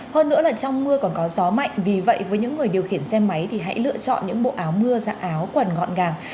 hơn nữa là trong mưa còn có gió mạnh vì vậy với những người điều khiển xe máy thì hãy lựa chọn những bộ áo mưa áo quần gọn gàng